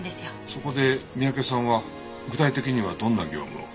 そこで三宅さんは具体的にはどんな業務を？